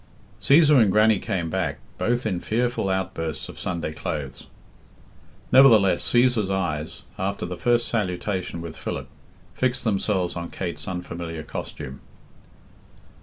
Cæsar and Grannie came back, both in fearful outbursts of Sunday clothes. Nevertheless Cæsar's eyes, after the first salutation with Philip, fixed themselves on Kate's unfamliar costume.